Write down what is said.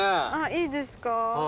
いいですか？